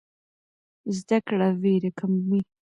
زده کړه ویره کموي.